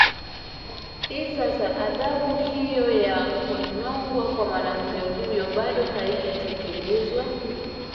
i sasa adhabu hiyo ya kunyongwa kwa mwanamke huyo bado haijatekelezwa